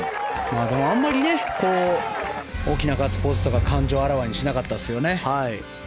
でも、あまり大きなガッツポーズとか感情をあらわにしなかったですよね。